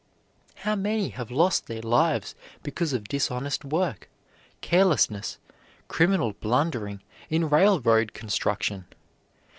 How many have lost their lives because of dishonest work, carelessness, criminal blundering in railroad construction?